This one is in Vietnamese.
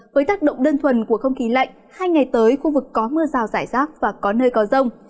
với tác động đơn thuần của không khí lạnh hai ngày tới khu vực có mưa rào rải rác và có nơi có rông